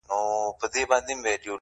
مه نیسه چېغو ته کاڼه غوږونه؛